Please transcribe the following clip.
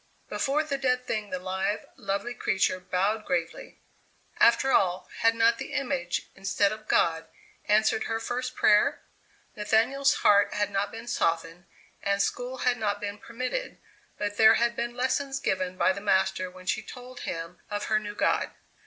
Before the dead thing the live, lovely creature bowed gravely. After all, had not the image, instead of God, answered her first prayer? Nathaniel's heart had not been softened and school had not been permitted, but there had been lessons given by the master when she told him of her new god.